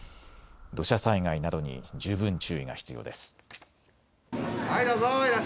土砂災害などに十分注意が必要です。